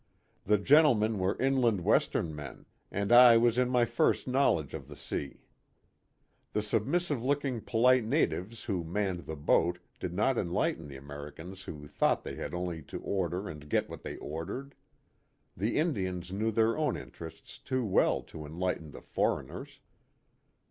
The gentlemen were inland Western men, and I was in my first knowledge of the sea. The submissive looking polite natives who manned the boat did not enlighten the Amer icans who thought they had only to order and get what they ordered. The Indians knew their own interests too well to enlighten the " foreigners."